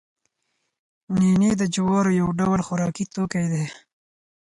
نینې د جوارو یو ډول خوراکي توکی دی